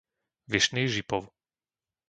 Vyšný Žipov